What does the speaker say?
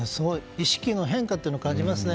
意識の変化を感じますね。